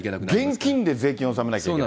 現金で税金を納めなきゃいけない。